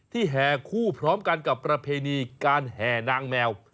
แห่คู่พร้อมกันกับประเพณีการแห่นางแมว